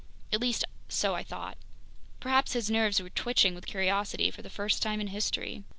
At least so I thought. Perhaps his nerves were twitching with curiosity for the first time in history.